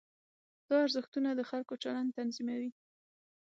دا ارزښتونه د خلکو چلند تنظیموي.